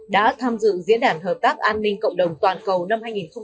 đã tham dự diễn đàn hợp tác an ninh cộng đồng toàn cầu năm hai nghìn hai mươi ba